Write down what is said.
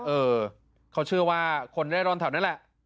เออเขาเชื่อว่าคนเร่ร่อนแถวนั้นแหละ